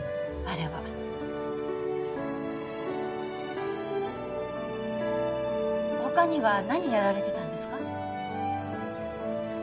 あれは他には何やられてたんですか？